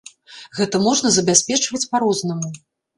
Гэта можна забяспечваць па-рознаму.